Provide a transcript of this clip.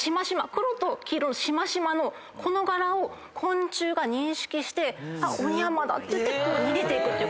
黒と黄色のしましまのこの柄を昆虫が認識してあっオニヤンマだっていって逃げていくっていう。